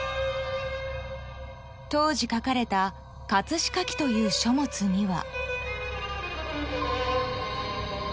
［当時書かれた『葛飾記』という書物には］